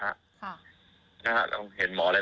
ก็ตัวท่านเองคือการฉีดซีโนแว็กนะคะ